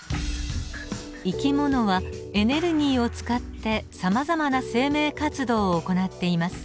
生き物はエネルギーを使ってさまざまな生命活動を行っています。